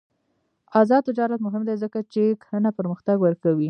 آزاد تجارت مهم دی ځکه چې کرنه پرمختګ ورکوي.